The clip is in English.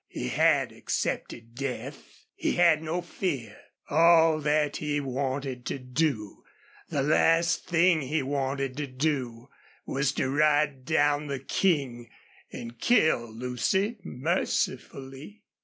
He had accepted death; he had no fear. All that he wanted to do, the last thing he wanted to do, was to ride down the King and kill Lucy mercifully.